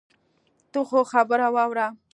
ته خو خبره واوره.